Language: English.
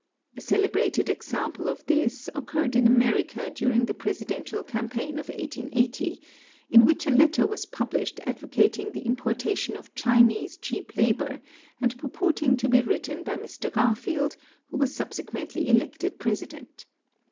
A celebrated example of this occurred in America during the Presidential ) campaign of 1880, in which a letter was published advocating the im dortation of Chinese cheap labour and purporting to be written by Mr. Garfield who was subsequently elected President.